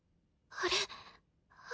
あれ？